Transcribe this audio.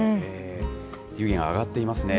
湯気が上がっていますね。